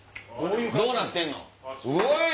どうなってんの？